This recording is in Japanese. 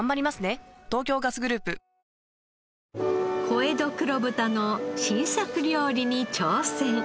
小江戸黒豚の新作料理に挑戦。